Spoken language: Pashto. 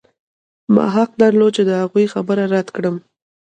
ما حق درلود چې د هغوی خبره رد کړم